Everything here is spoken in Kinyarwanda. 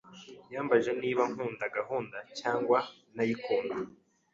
Yambajije niba nkunda gahunda cyangwa ntayikunda.